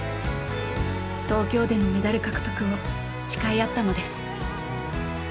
東京でのメダル獲得を誓い合ったのです。